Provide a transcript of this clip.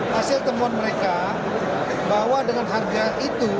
hasil temuan mereka bahwa dengan harga itu